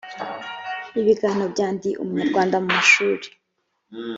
ibiganiro bya ndi umunyarwanda mu mashuri